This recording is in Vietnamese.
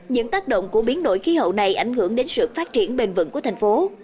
những tác động của biến đổi khí hậu này ảnh hưởng đến sự phát triển bền vững của thành phố